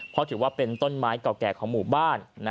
เพราะถือว่าเป็นต้นไม้เก่าแก่ของหมู่บ้าน